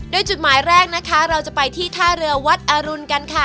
โดยจุดหมายแรกนะคะเราจะไปที่ท่าเรือวัดอรุณกันค่ะ